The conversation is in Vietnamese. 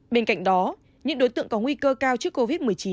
bên cạnh đó những đối tượng có nguy cơ cao trước covid một mươi chín